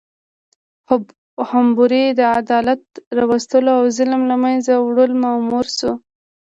حموربي د عدالت راوستلو او ظلم له منځه وړلو مامور شو.